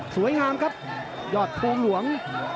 สวยงามครับยอดโพงหลวง